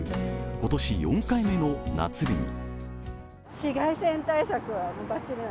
今年４回目の夏日に。